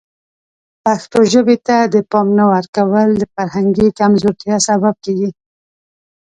پښتو ژبې ته د پام نه ورکول د فرهنګي کمزورتیا سبب کیږي.